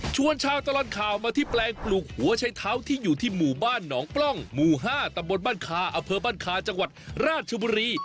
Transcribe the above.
ชวนชาตรรอนข่าวมาที่แปลงปลูกหัวชัยเท้าที่อยู่ที่หมู่บ้านหนองปล่องหมู่๕ตบคอบคจังหวัดราชบุรี